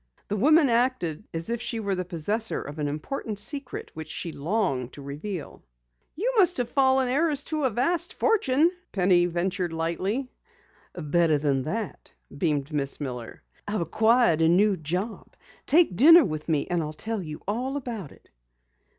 The woman acted as if she were the possessor of an important secret which she longed to reveal. "You must have fallen heiress to a vast fortune," Penny ventured lightly. "Better than that," beamed Miss Miller. "I've acquired a new job. Take dinner with me and I'll tell you all about it."